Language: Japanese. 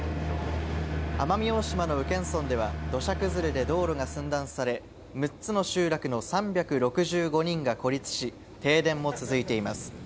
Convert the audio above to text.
奄美大島の宇検村では土砂崩れで道路が寸断され、６つの集落の３６５人が孤立し、停電も続いています。